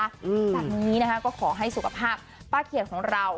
จากนี้นะคะก็ขอให้สุขภาพป้าเขียนของเรา